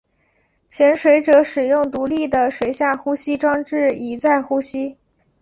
潜水者使用独立的水下呼吸装置以在呼吸。